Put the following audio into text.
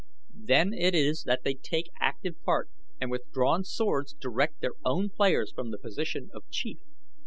Then it is that they take active part and with drawn swords direct their own players from the position of Chief.